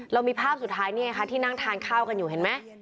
เรามีภาพสุดท้ายนี่ไงคะที่นั่งทานข้าวกันอยู่เห็นไหม